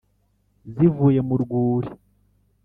zivuye mu rwuri